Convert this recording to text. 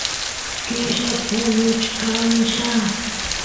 qella puñuchkanlla